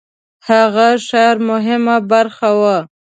هغه ښار مهمه برخه وه.